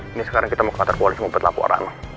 ini sekarang kita mau ke kantor polisi membuat laporan